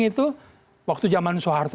itu waktu zaman soeharto